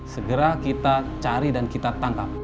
segera kita cari dan kita tangkap